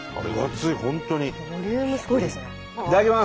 いただきます！